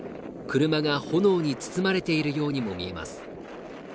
車が炎に包まれているようにも見えます。